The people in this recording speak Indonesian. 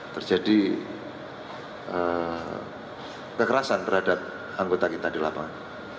terjadi kekerasan terhadap anggota kita di lapangan